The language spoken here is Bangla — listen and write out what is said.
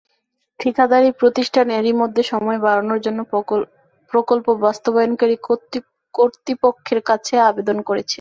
ঠিকাদারি প্রতিষ্ঠান এরই মধ্যে সময় বাড়ানোর জন্য প্রকল্প বাস্তবায়নকারী কর্তৃপক্ষের কাছে আবেদন করেছে।